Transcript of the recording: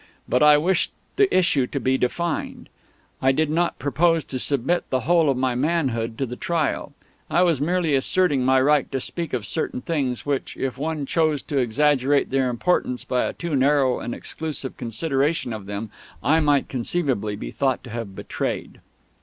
But I wished the issue to be defined. I did not propose to submit the whole of my manhood to the trial. I was merely asserting my right to speak of certain things which, if one chose to exaggerate their importance by a too narrow and exclusive consideration of them, I might conceivably be thought to have betrayed.